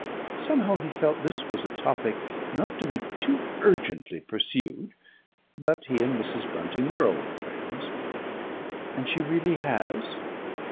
Somehow he felt this was a topic not to be too urgently pursued. But he and Mrs. Bunting were old friends. "And she really has